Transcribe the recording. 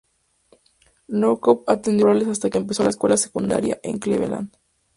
Newcomb atendió escuelas rurales hasta que empezó la escuela secundaria en Cleveland.